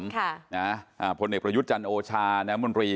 ค่ะนะฮะอ่าพลเนกประยุทธจันทร์โอชาแนะมนตรี